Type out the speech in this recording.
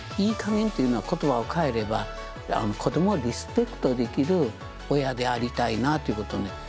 いいかげんというのは言葉をかえれば子どもをリスペクトできる親でありたいなということをね